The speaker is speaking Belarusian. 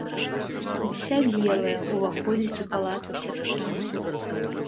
Уся белая ўваходзіць у палату сястра.